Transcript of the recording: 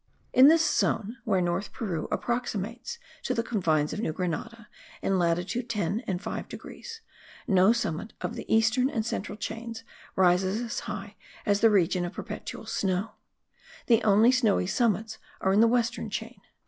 In this zone, where North Peru approximates to the confines of New Grenada in latitude 10 and 5 degrees, no summit of the eastern and central chains rises as high as the region of perpetual snow; the only snowy summits are in the western chain.